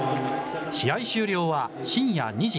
試合終了は深夜２時。